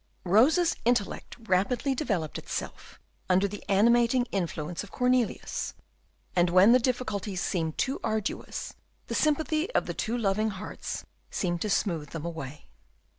Rosa's intellect rapidly developed itself under the animating influence of Cornelius, and when the difficulties seemed too arduous, the sympathy of two loving hearts seemed to smooth them away.